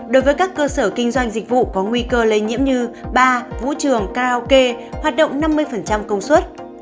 đối với các cơ sở kinh doanh dịch vụ có nguy cơ lây nhiễm như bar vũ trường karaoke hoạt động năm mươi công suất